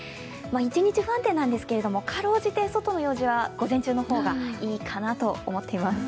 一日不安定なんですけどかろうじて外の用事は午前中がいいかなと思います。